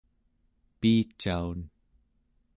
piicaun